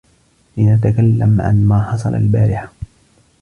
لنتكلّم عن ما حصل البارحة.